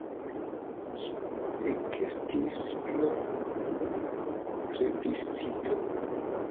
Ĝi ekestis pro plebiscito.